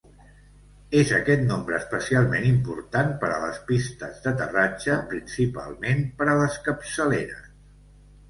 És aquest nombre especialment important per a les pistes d'aterratge, principalment per a les capçaleres.